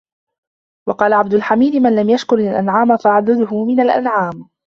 وَقَالَ عَبْدُ الْحَمِيدِ مَنْ لَمْ يَشْكُرْ الْإِنْعَامَ فَاعْدُدْهُ مِنْ الْأَنْعَامِ